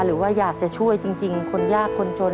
หรือว่าอยากจะช่วยจริงคนยากคนจน